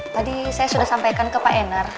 tadi saya sudah sampaikan ke pak enar